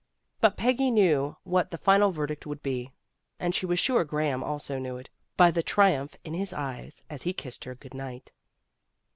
But Peggy knew what the final verdict would be, and she was sure Graham also knew it, by the triumph in his eyes as he kissed her good night.